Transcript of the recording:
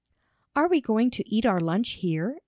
"Are we going to eat our lunch here?"